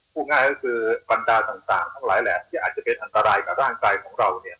พูดง่ายก็คือบรรดาต่างทั้งหลายแหละที่อาจจะเป็นอันตรายกับร่างกายของเราเนี่ย